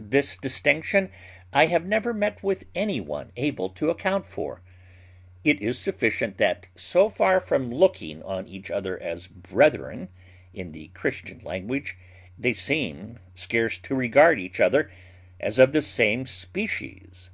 This distinction I have never met with any one able to account for: it is sufficient that, so far from looking on each other as brethren in the Christian language, they seem scarce to regard each other as of the same species.